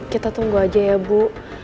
kita tunggu aja ya bu